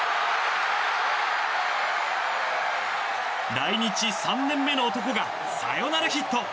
来日３年目の男がサヨナラヒット！